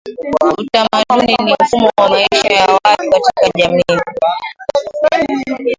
Utamaduni ni mfumo wa maisha ya watu katika jamii